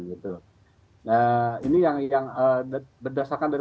gitu nah ini yang ikan berdasarkan dari